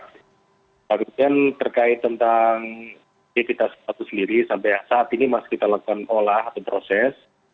kemudian terkait tentang identitas pelaku sendiri sampai saat ini masih kita lakukan olah atau proses